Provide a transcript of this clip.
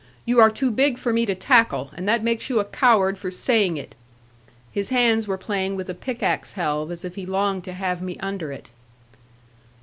You are too big for me to tackle, and that makes you a coward for saying it.' His hands were playing with a pickaxe helve, as if he longed to have me under it.